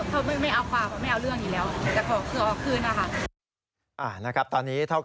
ตอนนี้เท่ากันก็มีภาพหลักฐานจากกล้องวงจักร